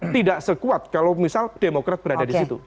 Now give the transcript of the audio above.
tidak sekuat kalau misal demokrat berada di situ